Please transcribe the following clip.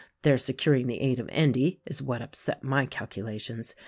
Their securing the aid of Endy is what upset my calculations.